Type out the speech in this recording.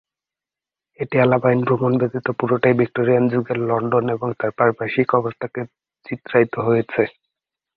এটি আলপাইন ভ্রমণ ব্যতীত পুরোটাই ভিক্টোরিয়ান যুগের লন্ডন এবং এর পারিপার্শ্বিক অবস্থাকে চিত্রায়িত হয়েছে।